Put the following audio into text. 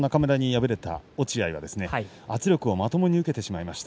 中村大輝に敗れた落合は圧力をまともに受けてしまいました。